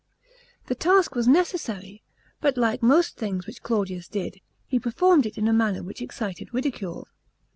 The task was necessary, but like most things which Claudius did, he performed it in a manner which excited ridicule.